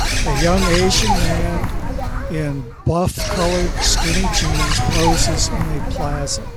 A young Asian man in buffcolored skinny jeans poses in a plaza